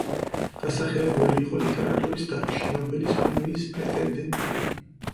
დასახელებული იყო ლიტერატურის დარგში ნობელის პრემიის პრეტენდენტად.